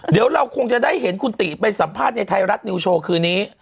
เดี๋ยวเราคงจะได้เห็นคุณติไปสัมภาษณ์ในไทยรัฐนิวโชว์คืนนี้